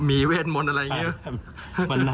มีเวทมนต์อะไรอย่างนี้